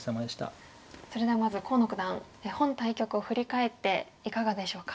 それではまず河野九段本対局を振り返っていかがでしょうか？